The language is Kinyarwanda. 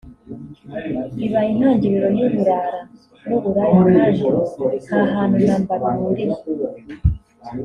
ibaye intangiriro y’uburara n’uburaya kandi nta hantu namba bihuriye